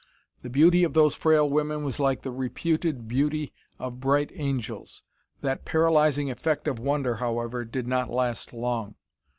The beauty of those frail women was like the reputed beauty of bright angels. That paralyzing effect of wonder, however, did not last long.